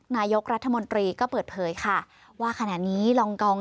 นายกรัฐมนตรีก็เปิดเผยค่ะว่าขณะนี้รองกอง